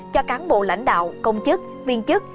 cho cán bộ lãnh đạo công chức viên chức